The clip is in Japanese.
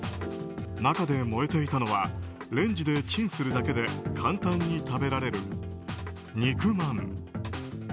中で燃えていたのはレンジでチンするだけで簡単に食べられる肉まん。